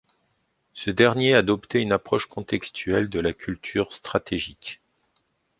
Ce dernier adoptait une approche contextuelle de la culture stratégique.